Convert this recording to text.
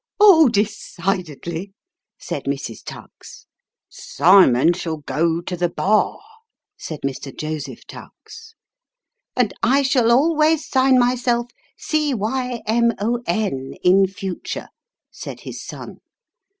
' Oh, decidedly," said Mrs. Tuggs. ' Simon shall go to the bar," said Mr. Joseph Tuggs. ' And I shall always sign myself ' Cymon ' in future," said his son.